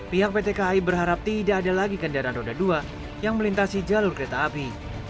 pihak pt kai berharap tidak ada lagi kendaraan roda dua yang melintasi jalur kereta api